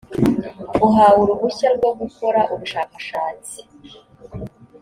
uhawe uruhushya rwo gukora ubushakashatsi